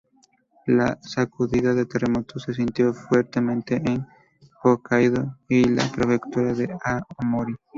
La sacudida del terremoto se sintió fuertemente en Hokkaidō y la Prefectura de Aomori.